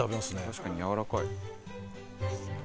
確かにやわらかい。